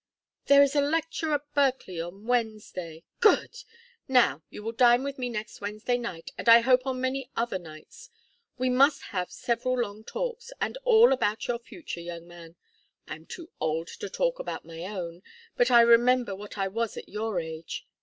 "There is a lecture at Berkeley on Wednesday " "Good! Now, you will dine with me next Wednesday night and I hope on many other nights. We must have several long talks and all about your future, young man. I am too old to talk about my own, but I remember what I was at your age.